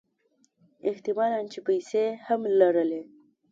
احت مالًا چې پیسې هم لرلې.